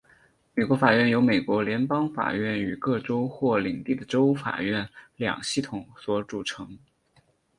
美国法院由美国联邦法院与各州或领地的州法院两系统所组成。